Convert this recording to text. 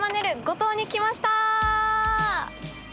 五島に来ました！